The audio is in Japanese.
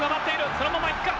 そのままいくか。